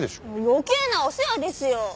余計なお世話ですよ。